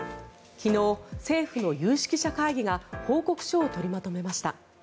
昨日、政府の有識者会議が報告書を取りまとめました。